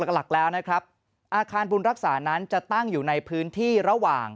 หลักแล้วนะครับอาคารบุญรักษานั้นจะตั้งอยู่ในพื้นที่ระหว่าง